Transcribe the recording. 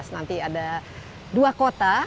nanti ada dua kota